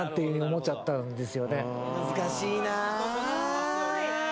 難しいなぁ。